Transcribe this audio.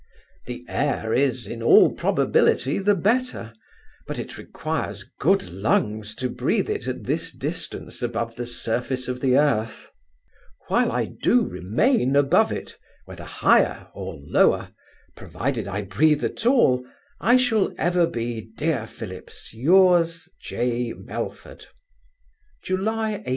The air is, in all probability, the better; but it requires good lungs to breathe it at this distance above the surface of the earth. While I do remain above it, whether higher or lower, provided I breathe at all, I shall ever be, Dear Phillips, yours, J. MELFORD July 18.